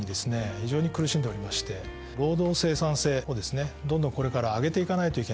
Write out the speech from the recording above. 非常に苦しんでおりまして労働生産性をですねどんどんこれから上げていかないといけないと。